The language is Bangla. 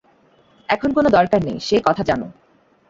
এখন কোনো দরকার নেই, সে কথা জান।